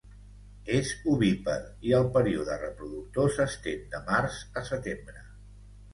És ovípar i el període reproductor s'estén de març a setembre.